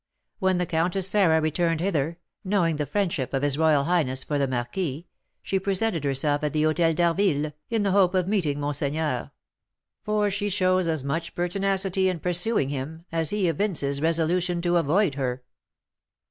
When the Countess Sarah returned hither, knowing the friendship of his royal highness for the marquis, she presented herself at the Hotel d'Harville, in the hope of meeting monseigneur; for she shows as much pertinacity in pursuing him as he evinces resolution to avoid her."